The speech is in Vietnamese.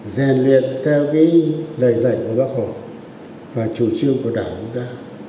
dèn luyện theo cái lời dạy của bác hồ và chủ trương của đảng chúng ta